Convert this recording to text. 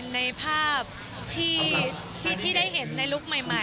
ในภาพที่ได้เห็นในลุคใหม่